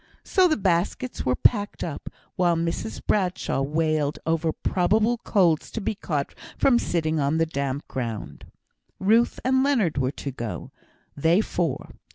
So the baskets were packed up, while Mrs Bradshaw wailed over probable colds to be caught from sitting on the damp ground. Ruth and Leonard were to go; they four.